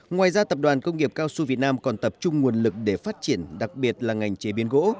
ngoài ra tập đoàn công nghiệp cao su việt nam còn tập trung nguồn lực để phát triển đặc biệt là ngành chế biến gỗ